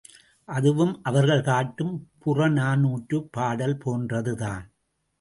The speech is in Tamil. அதுவும் அவர்கள் காட்டும் புறநானூற்றுப் பாடல் போன்றதுதான்.